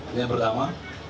ini yang pertama